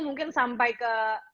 mungkin sampai ke